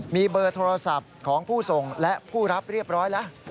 มีเบอร์โทรศัพท์ของผู้ส่งและผู้รับเรียบร้อยแล้ว